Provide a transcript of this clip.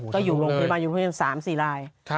ก็อยู่ลงไปมาอยู่ทั้ง๓๔ลาย